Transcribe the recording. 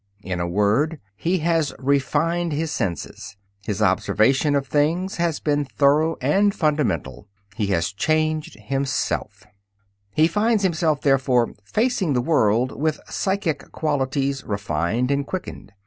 In a word, he has refined his senses; his observation of things has been thorough and fundamental; he has changed himself. He finds himself, therefore, facing the world with psychic qualities refined and quickened.